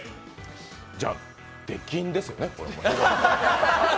じゃあ、出禁ですよね。